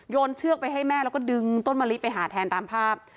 เชือกไปให้แม่แล้วก็ดึงต้นมะลิไปหาแทนตามภาพ